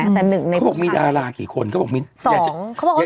เราก็บอกว่ามีดาราลาหลายกี่คน